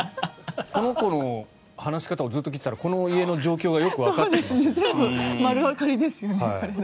この子の話し方をずっと聞いていたらこの家の状況がよくわかってきますね。